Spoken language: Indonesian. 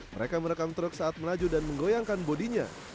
mereka merekam truk saat melaju dan menggoyangkan bodinya